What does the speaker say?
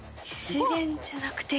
資源じゃなくて。